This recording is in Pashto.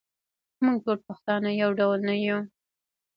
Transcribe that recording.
موږ ټول پښتانه یو ډول نه یوو.